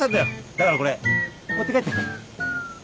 だからこれ持って帰って。